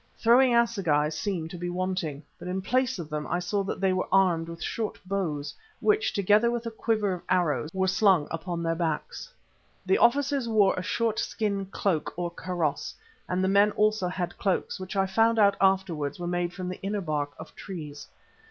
Throwing assegais seemed to be wanting, but in place of them I saw that they were armed with short bows, which, together with a quiver of arrows, were slung upon their backs. The officers wore a short skin cloak or kaross, and the men also had cloaks, which I found out afterwards were made from the inner bark of trees.